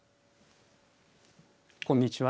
こんにちは。